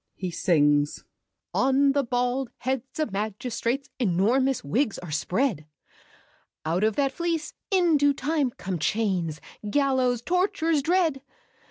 [He sings. "On the bald heads of magistrates, Enormous wigs are spread. Out of that fleece, in due time, come Chains, gallows, tortures dread.